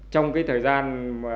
trong thời gian